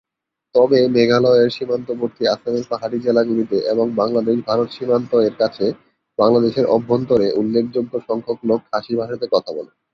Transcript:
তবে মেঘালয়ের সীমান্তবর্তী আসামের পাহাড়ি জেলাগুলিতে এবং বাংলাদেশ-ভারত সীমান্ত এর কাছে, বাংলাদেশের অভ্যন্তরে, উল্লেখযোগ্য সংখ্যক লোক খাসি ভাষাতে কথা বলে।